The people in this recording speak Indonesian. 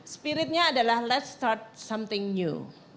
spiritnya adalah let's start something new